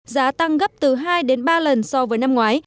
giá tăng gấp từ hai đến ba lần so với năm ngoái